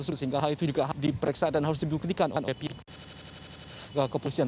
sehingga hal itu juga diperiksa dan harus dibuktikan oleh pihak kepolisian